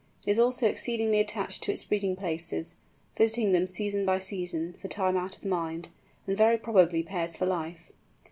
It is also exceedingly attached to its breeding places, visiting them season by season, for time out of mind, and very probably pairs for life.